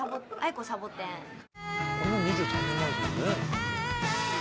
もう２３年前ですもんね。